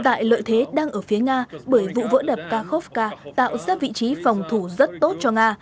ngoại lợi thế đang ở phía nga bởi vụ vỡ đập kharkovka tạo ra vị trí phòng thủ rất tốt cho nga